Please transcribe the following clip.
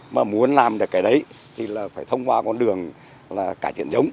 mà muốn làm được cái đấy thì phải thông qua con đường cải thiện giống